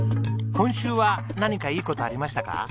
今週は何かいい事ありましたか？